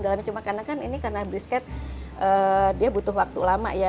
dalamnya cuma karena kan ini karena brisket dia butuh waktu lama ya